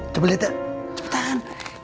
coba lihat ya cepetan